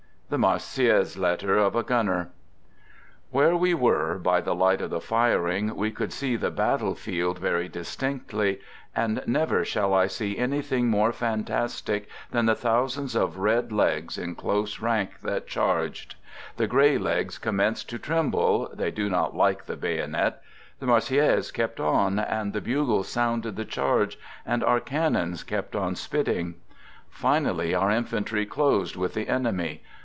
(The Marseillaise Letter of a Gunner) Where we were, by the light of the firing, we could see the battlefield very distinctly, and never 148 THE GOOD SOLDIER" 149 shall I see anything more fantastic than the thou » sands of red legs, in close rank, that charged; the gray legs commenced to tremble (they do not like the bayonet) ; the Marseillaise kept on, and the bugles sounded the charge, and our cannons kept on spitting. Finally, our infantry closed with the enemy.